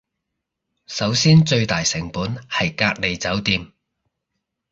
首先最大成本係隔離酒店